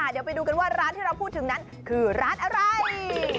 เดี๋ยวไปดูกันว่าร้านที่เราพูดถึงนั้นคือร้านอะไร